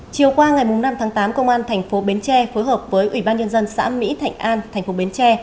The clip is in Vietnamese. chiều qua ngày năm tháng tám công an tp bến tre phối hợp với ủy ban nhân dân xã mỹ thạnh an tp bến tre